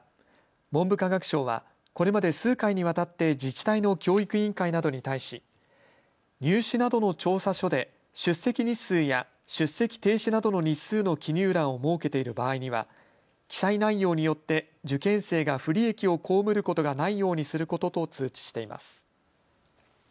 文部科学省はこれまで数回にわたって自治体の教育委員会などに対し入試などの調査書で出席日数や出席停止などの日数の記入欄を設けている場合には記載内容によって受験生が不利益を被ることがないようにすることと通知しています。